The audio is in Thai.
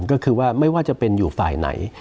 ก็คือว่าไม่ว่าจะเป็นอยู่ฝ่ายไหน